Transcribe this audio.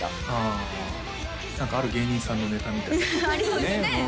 あ何かある芸人さんのネタみたいなありそうですね